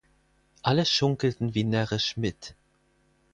Alle schunkelten wie närrisch mit.